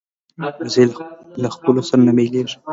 وزې له خپلو سره نه بیلېږي